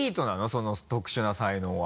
その特殊な才能は。